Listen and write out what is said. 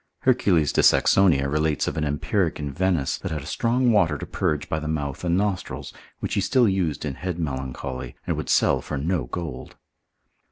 Hercules de Saxonia relates of an empiric in Venice that had a strong water to purge by the mouth and nostrils, which he still used in head melancholy, and would sell for no gold.